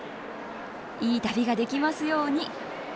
いい旅ができますように。